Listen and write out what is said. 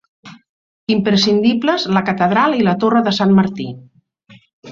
Imprescindibles la catedral i la torre de Sant Martí.